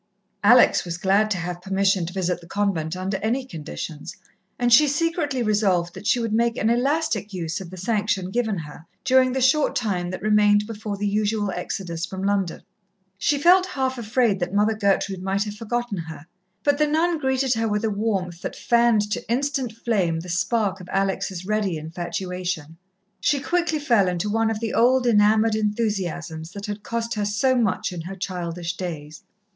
Alex was glad to have permission to visit the convent under any conditions, and she secretly resolved that she would make an elastic use of the sanction given her, during the short time that remained before the usual exodus from London. She felt half afraid that Mother Gertrude might have forgotten her, but the nun greeted her with a warmth that fanned to instant flame the spark of Alex' ready infatuation. She quickly fell into one of the old, enamoured enthusiasms that had cost her so much in her childish days.